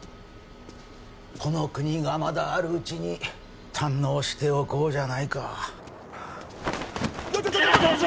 この国がまだあるうちに堪能しておこうじゃないかちょちょ世良教授！